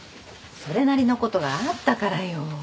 それなりのことがあったからよ。